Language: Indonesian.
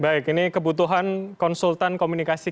nah ini juga menarik kemudian soal anda sebutkan itu ya pak rian